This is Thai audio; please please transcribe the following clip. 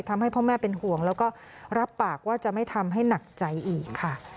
ทำให้พ่อแม่เป็นห่วงแล้วก็รับปากว่าจะไม่ทำให้หนักใจอีกค่ะ